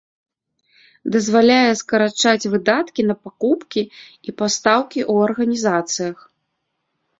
Дазваляе скарачаць выдаткі на пакупкі і пастаўкі ў арганізацыях.